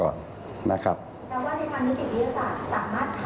แล้วว่าในการนิติวิทยาศาสตร์สามารถทำได้ครับ